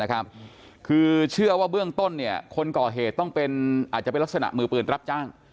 คือเชื่อว่าเบื้องต้นคนก่อเหตุต้องอาจจะเป็นลักษณะมือปืนรับจ้าง